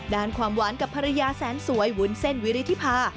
ความหวานกับภรรยาแสนสวยวุ้นเส้นวิริธิพา